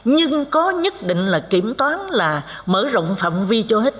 nhưng có nhất định là kiểm toán là mở rộng phạm vi cho hết